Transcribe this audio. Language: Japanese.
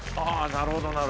なるほどなるほど。